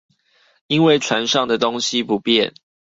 因為船上的東西不變